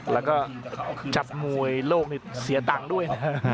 แล้วก็จัดมวยโลกนี่เสียตังค์ด้วยนะ